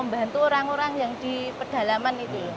membantu orang orang yang di pedalaman itu